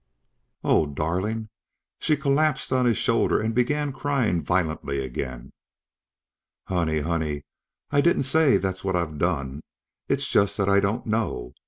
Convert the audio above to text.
"Oh, darling!" She collapsed on his shoulder and began crying violently again. "Honey, honey! I didn't say that's what I've done. It's just that I don't know.